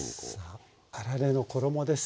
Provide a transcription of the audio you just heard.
さああられの衣です。